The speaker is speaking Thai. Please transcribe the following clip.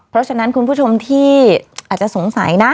เพราะฉะนั้นคุณผู้ชมที่อาจจะสงสัยนะ